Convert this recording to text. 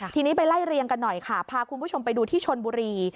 ทีนี้ไปไล่เรียงกันหน่อยค่ะพาคุณผู้ชมไปดูที่ชนบุรี